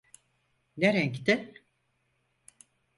Ne renkti?